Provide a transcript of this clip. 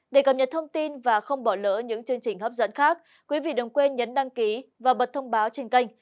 để cập nhật thông tin và không bỏ lỡ những chương trình hấp dẫn khác quý vị đừng quên nhấn đăng ký và bật thông báo trên kênh